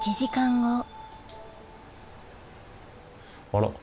あら？